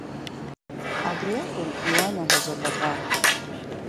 Абри акәын иуанаҳәоз абаҟа.